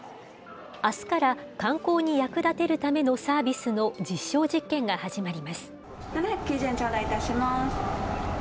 あすから観光に役立てるためのサービスの実証実験が始まります。